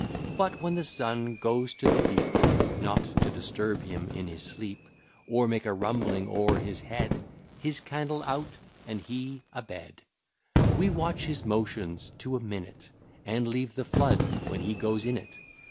But when the sun goes to the deep, (Not to disturb him in his sleep, Or make a rumbling o'er his head, His candle out, and he a bed,) We watch his motions to a minute, And leave the flood when he goes in it.